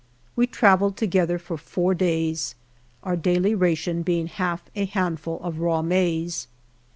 We travelled together for four days, our daily ration being half a handful of raw maize.